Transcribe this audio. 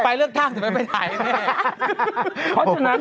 ไปเลือกตั้งจะไม่ไปถ่ายให้แม่